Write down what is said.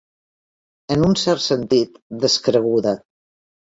En un cert sentit, descreguda.